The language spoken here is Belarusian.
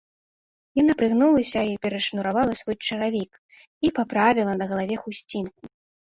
Яна прыгнулася і перашнуравала свой чаравік і паправіла на галаве хусцінку.